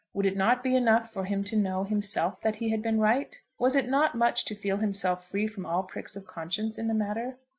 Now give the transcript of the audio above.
Would it not be enough for him to know, himself, that he had been right? Was it not much to feel himself free from all pricks of conscience in the matter?